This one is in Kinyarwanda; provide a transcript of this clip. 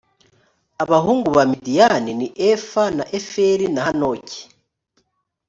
abahungu ba midiyani ni efa na eferi na hanoki